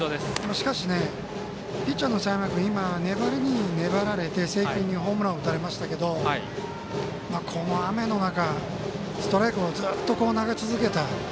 しかしピッチャーの佐山君粘りに粘られて瀬井君にホームラン打たれましたけどこの雨の中ストライクをずっと投げ続けた。